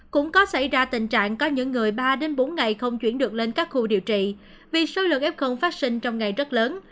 cũng có xảy ra tình trạng có những người ba bốn ngày không chuyển được lên các khu điều trị vì số lượng f phát sinh trong ngày rất lớn